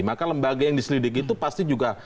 maka lembaga yang diselidiki itu pasti juga